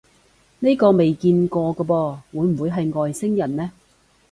呢個未見過嘅噃，會唔會係外星人呢？